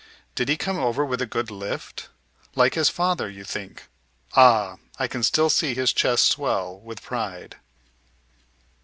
Did he come over with a good lift? Like his father, you think? Ah! I can still see his chest swell with pride.